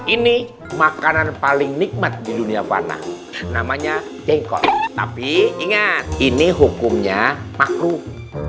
ini makanan paling nikmat di dunia panah namanya dengkot tapi ingat ini hukumnya makruh